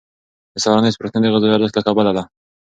د سهارنۍ سپارښتنه د غذایي ارزښت له کبله ده.